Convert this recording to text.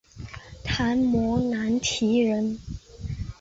昙摩难提人。